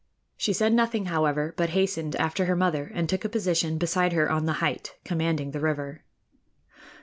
She said nothing, however, but hastened after her mother and took a position beside her on the height commanding the river.